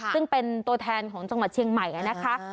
ซึ่งเป็นตัวแทนของจังหวัดเชียงใหม่นะคะ